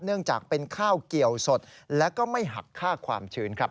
เนื่องจากเป็นข้าวเกี่ยวสดแล้วก็ไม่หักค่าความชื้นครับ